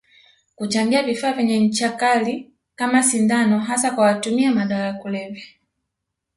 Kuchangia vifaa vyenye ncha Kali kama sindano hasa kwa watumia madawa ya kulevya